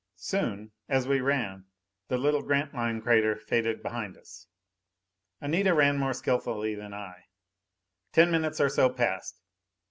Soon, as we ran, the little Grantline crater faded behind us. Anita ran more skillfully than I. Ten minutes or so passed.